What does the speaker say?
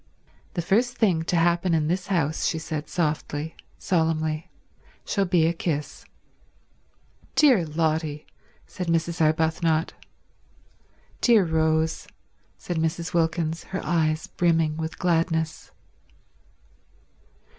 "The first thing to happen in this house," she said softly, solemnly, "shall be a kiss." "Dear Lotty," said Mrs. Arbuthnot. "Dear Rose," said Mrs. Wilkins, her eyes brimming with gladness.